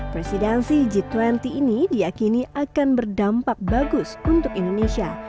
presidensi g dua puluh ini diakini akan berdampak bagus untuk indonesia